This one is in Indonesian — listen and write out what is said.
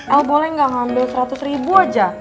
el boleh gak ambil seratus ribu aja